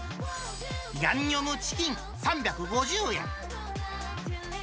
ヤンニョムチキン３５０円。